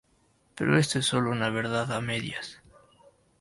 Pero esto es sólo una verdad a medias.